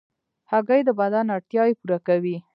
هګۍ د بدن اړتیاوې پوره کوي.